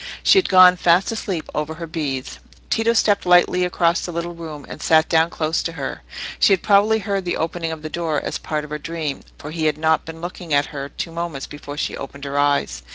She had gone fast asleep over her beads. Tito stepped lightly across the little room, and sat down close to her. She had probably heard the opening of the door as part of her dream, for he had not been looking at her two moments before she opened her eyes.